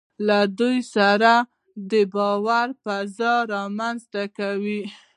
له دوی سره د باور فضا رامنځته کوي.